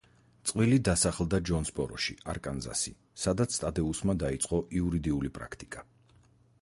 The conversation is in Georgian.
წყვილი დასახლდა ჯონსბოროში, არკანზასი, სადაც ტადეუსმა დაიწყო იურიდიული პრაქტიკა.